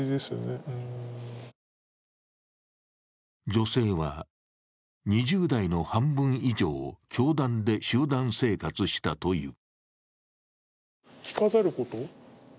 女性は２０代の半分以上を教団で集団生活したという。